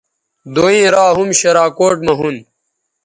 دوئیں را ھُم شراکوٹ مہ ھُون